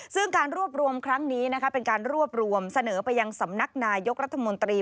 ซึ่งการรวบรวมครั้งนี้เป็นการรวบรวมเสนอไปยังสำนักนายกรัฐมนตรี